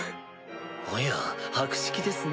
おや博識ですね